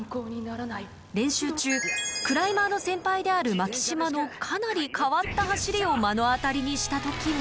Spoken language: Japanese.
練習中クライマーの先輩である巻島のかなり変わった走りを目の当たりにした時も。